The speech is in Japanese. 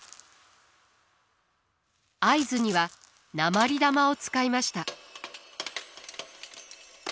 合図には鉛玉を使いました。